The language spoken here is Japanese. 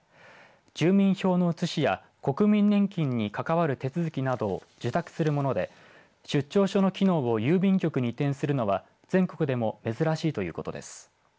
住民票の写しや国民年金に関わる手続きなどを受託するもので出張所の機能を郵便局に移転するのは全国でも珍しいということです。